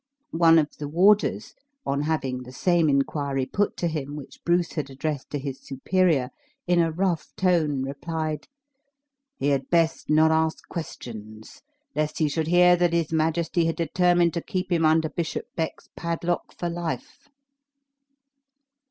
One of the warders, on having the same inquiry put to him which Bruce had addressed to his superior, in a rough tone replied: "He had best not ask questions, lest he should hear that his majesty had determined to keep him under Bishop Beck's padlock for life."